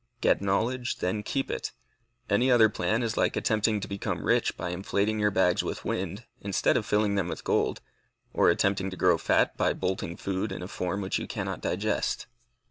Get knowledge, then keep it. Any other plan is like attempting to become rich by inflating your bags with wind, instead of filling them with gold, or attempting to grow fat by bolting food in a form which you cannot digest.